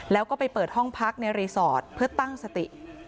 แล้วก็ไปเปิดห้องพักในรีสอร์ทเพื่อตั้งสติ